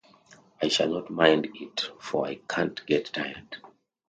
I shall not mind it, for I can't get tired.